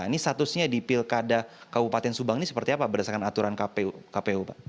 ini statusnya di pilkada kabupaten subang ini seperti apa berdasarkan aturan kpu pak